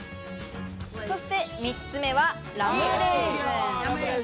そして三つ目はラムレーズン。